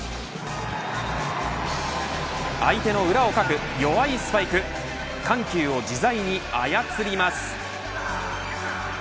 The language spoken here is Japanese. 相手の裏をかく弱いスパイク緩急を自在に操ります。